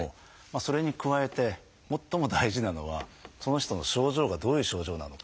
それに加えて最も大事なのはその人の症状がどういう症状なのか。